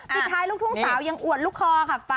สุดท้ายลูกทุ่งสาวยังอวดลูกคอค่ะ